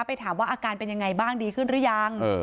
ไปถามว่าอาการเป็นยังไงบ้างดีขึ้นหรือยัง